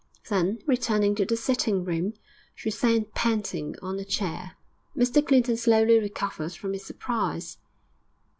Then, returning to the sitting room, she sank panting on a chair. Mr Clinton slowly recovered from his surprise.